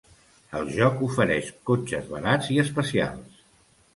El joc ofereix cotxes barats i especials.